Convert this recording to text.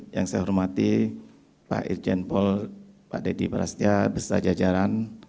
yang saya hormati pak irjen paul pak deddy prasetya beserta jajaran